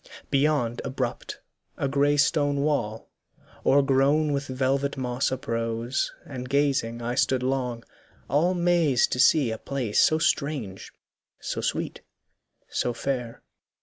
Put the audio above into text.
Beyond, abrupt, A grey stone wall. o'ergrown with velvet moss Uprose; and gazing I stood long, all mazed To see a place so strange, so sweet, so fair.